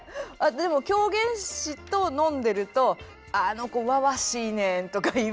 でも狂言師と飲んでると「あの子わわしいねん」とか言いますよ。